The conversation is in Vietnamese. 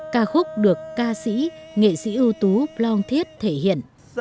ca khúc được ca sĩ nghệ sĩ ưu tú plong thiết thể hiện